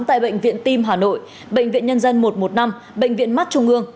tại bệnh viện tim hà nội bệnh viện nhân dân một trăm một mươi năm bệnh viện mắt trung ương